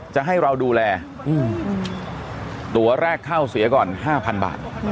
จะให้เราดูแลตัวแรกเข้าเสียก่อน๕๐๐บาท